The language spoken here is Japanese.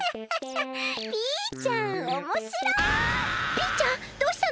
ピーちゃんどうしたの？